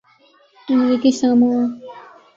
امریکی ساموآ